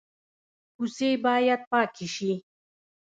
کوڅې باید پاکې شي